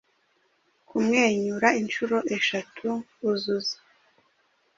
kumwenyura inshuro eshatu Uzuza,